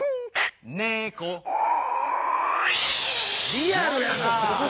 リアルやな！